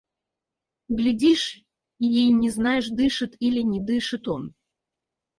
Глядишь и не знаешь: дышит или не дышит он.